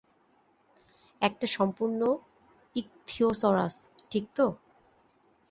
একটা সম্পূর্ণ ইকথিওসরাস, ঠিক তো?